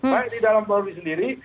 baik di dalam polri sendiri